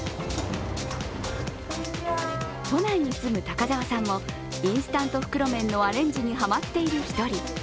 都内に住む高沢さんもインスタント袋麺のアレンジにハマっている一人。